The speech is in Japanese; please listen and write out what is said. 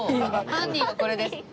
犯人はこれです。